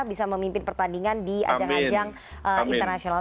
bisa memimpin pertandingan di ajang ajang internasional